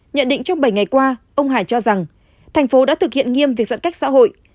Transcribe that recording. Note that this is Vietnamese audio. nhận định trong bảy ngày qua ông hải cho rằng thành phố đã thực hiện nghiêm việc giãn cách xã hội